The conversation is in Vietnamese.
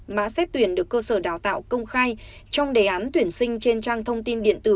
mã xét tuyển được cơ sở đào tạo công khai trong đề án tuyển sinh trên trang thông tin điện tử